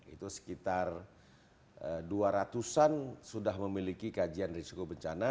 itu sekitar dua ratus an sudah memiliki kajian risiko bencana